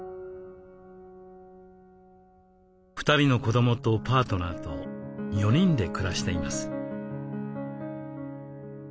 ２人の子どもとパートナーと４人で暮らしています。